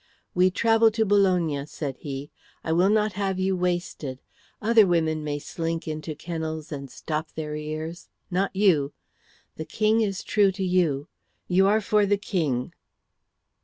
"We travel to Bologna," said he. "I will not have you wasted. Other women may slink into kennels and stop their ears not you. The King is true to you. You are for the King."